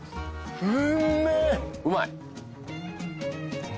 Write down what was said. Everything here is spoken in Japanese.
うまい？